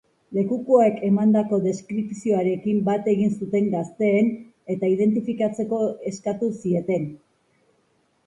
Lekukoek emandako deskripzioarekin bat egin zuten gazteen, eta identifikatzeko eskatu zieten.